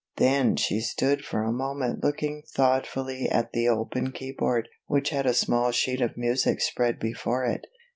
Then she stood for a moment looking thoughtfully at the open keyboard, which had a small sheet of music spread before it.